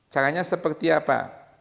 caranya seperti apa